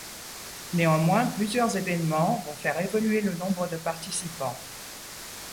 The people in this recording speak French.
Néanmoins, plusieurs événements vont faire évoluer le nombre de participants.